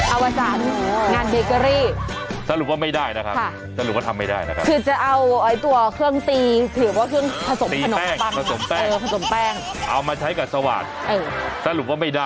อาวาสารงานเทเกอรี่สรุปว่าไม่ได้นะครับคือจะเอาไอ้ตัวเครื่องตีถือว่าเครื่องผสมขนมเออผสมแป้งเอามาใช้กับสวรรค์สรุปว่าไม่ได้